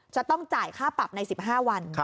จะต้องจ่ายค่าปรับใน๑๕วัน